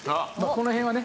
「この辺はね」